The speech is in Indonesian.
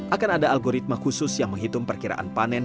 akan ada algoritma khusus yang menghitung perkiraan panen